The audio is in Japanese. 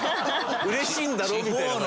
うれしいんだろ？みたいな。